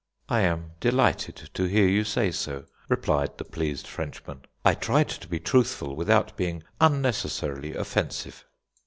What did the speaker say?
"I am delighted to hear you say so," replied the pleased Frenchman. "I tried to be truthful without being unnecessarily offensive."